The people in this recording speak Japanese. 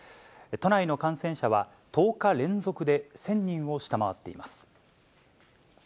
都内の感染者は、１０日連続で１０００人を下回っています。